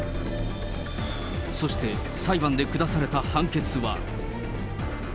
そして、裁判で下された判決は。